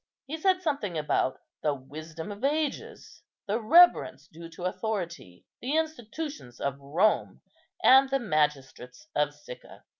He said something about the wisdom of ages, the reverence due to authority, the institutions of Rome, and the magistrates of Sicca.